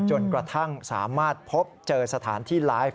จนกระทั่งสามารถพบเจอสถานที่ไลฟ์